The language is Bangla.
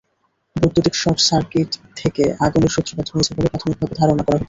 বৈদ্যুতিক শটসার্কিট থেকে আগুনের সূত্রপাত হয়েছে বলে প্রাথমিকভাবে ধারণা করা হচ্ছে।